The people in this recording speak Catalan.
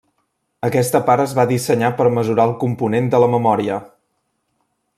Aquesta part es va dissenyar per mesurar el component de la memòria.